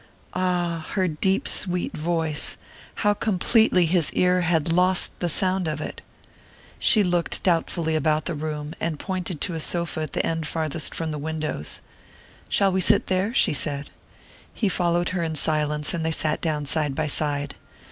Ah, her deep sweet voice how completely his ear had lost the sound of it! She looked doubtfully about the room, and pointed to a sofa at the end farthest from the windows. "Shall we sit there?" she said. He followed her in silence, and they sat down side by side.